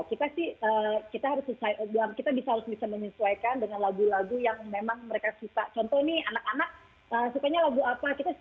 kita sih kita harus bisa menyesuaikan dengan lagu lagu yang memang mereka suka